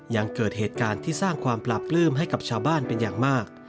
ยังเกิดเหตุการณ์ที่สร้างความปราบปลื้มให้กับชาวบ้านเป็นอย่างมาก